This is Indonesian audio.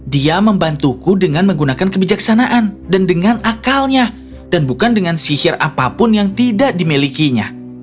dia membantuku dengan menggunakan kebijaksanaan dan dengan akalnya dan bukan dengan sihir apapun yang tidak dimilikinya